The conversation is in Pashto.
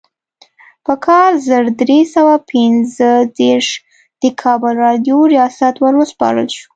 په کال زر درې سوه پنځه دیرش د کابل راډیو ریاست وروسپارل شو.